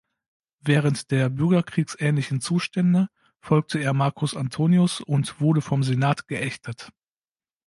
Während der bürgerkriegsähnlichen Zustände folgte er Marcus Antonius und wurde vom Senat geächtet.